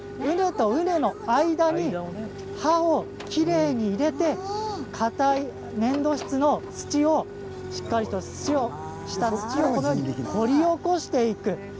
畝と畝の間に刃をきれいに入れて硬い粘土質の土をしっかりと下の土をしっかり掘り起こしていく。